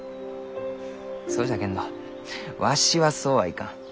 そうじゃけんどわしはそうはいかん。